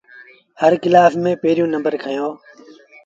هر ڪلآس ميݩ پيريوݩ نمبر کنيو۔